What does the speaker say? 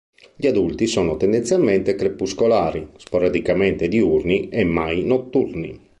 Gli adulti sono tendenzialmente crepuscolari, sporadicamente diurni e mai notturni.